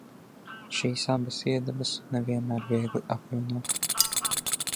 Šīs abas iedabas ne vienmēr viegli apvienot.